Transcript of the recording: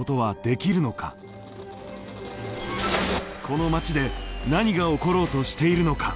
この町で何が起ころうとしているのか。